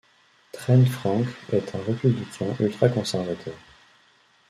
Trent Franks est un républicain ultraconservateur.